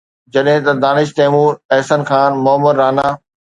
جڏهن ته دانش تيمور، احسن خان، معمر رانا